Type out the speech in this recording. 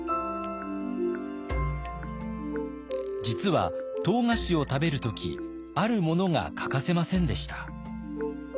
実は唐菓子を食べる時あるものが欠かせませんでした。